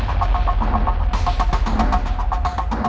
sekarang kalian berdua keluar dari ruangan saya